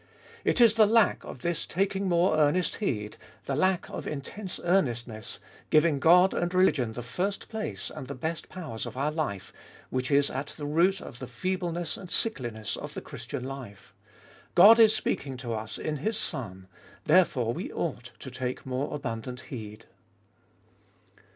It is the lack of this taking more earnest heed, the lack of intense earnestness, giving God and religion the first place and the best powers of our life, which is at the root of the feebleness and sickliness of the Christian life. God is speaking to us in His Son, therefore we ought to take more abundant heed.